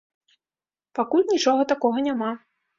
Пакуль нічога такога няма.